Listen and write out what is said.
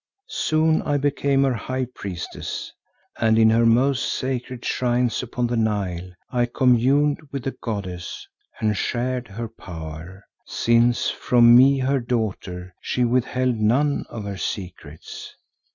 Soon I became her high priestess and in her most sacred shrines upon the Nile, I communed with the goddess and shared her power, since from me her daughter, she withheld none of her secrets.